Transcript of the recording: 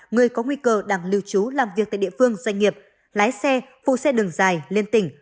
người có nguy cơ đang lưu trú làm việc tại địa phương doanh nghiệp lái xe phụ xe đường dài liên tỉnh